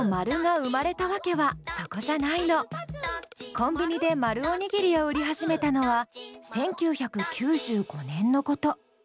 コンビニで丸おにぎりを売り始めたのは１９９５年のこと。